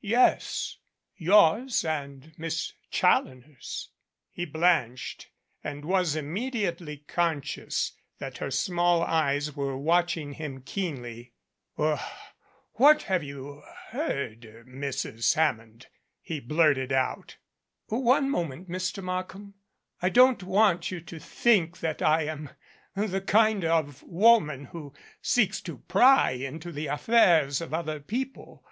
"Yes. Yours and Miss Challoner's." He blanched and was immediately conscious that her small eyes were watching him keenly. "Wh what have you heard, Mrs. Hammond?" he blurted out. "One moment, Mr. Markham. I don't want you to think that I am the kind of woman who seeks to pry into the affairs of other people.